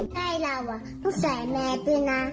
ใจเราอ่ะต้องใส่แมสด้วยนะ